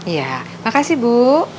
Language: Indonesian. iya makasih bu